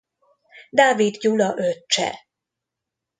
Dávid Gyula öccse.